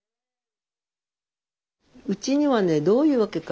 うちにはねどういうわけか